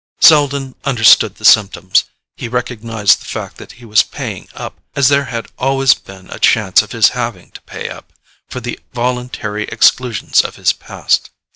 Selden understood the symptoms: he recognized the fact that he was paying up, as there had always been a chance of his having to pay up, for the voluntary exclusions of his past.